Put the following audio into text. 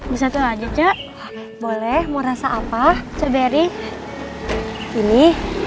bisa aja cok boleh mau rasa apa seberi ini